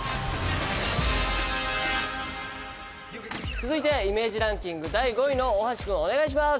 続いてイメージランキング第５位の大橋くんお願いします。